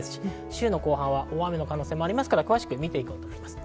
週の後半は大雨の可能性もありますから詳しくみていきます。